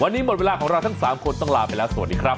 วันนี้หมดเวลาของเราทั้ง๓คนต้องลาไปแล้วสวัสดีครับ